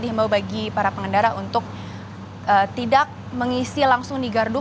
dihimbau bagi para pengendara untuk tidak mengisi langsung di gardu